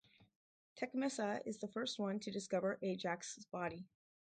Tecmessa is the first one to discover Ajax's body.